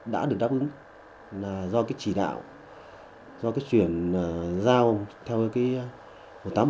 đã được đáp ứng do chỉ đạo do chuyển giao theo một nghìn tám trăm một mươi sáu